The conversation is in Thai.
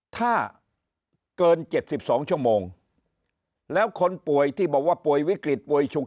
ถ้าเกิน๗๒ชั่วโมงแล้วคนป่วยที่บอกว่าป่วยวิกฤตป่วยฉุก